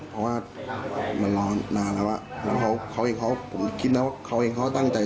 เพราะว่ามันรอนานแล้วอ่ะแล้วเขาเองเขาผมคิดนะว่าเขาเองเขาก็ตั้งใจ